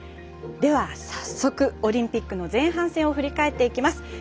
では、早速オリンピックの前半戦を振り返っていきます。